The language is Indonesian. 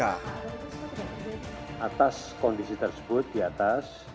atas kondisi tersebut di atas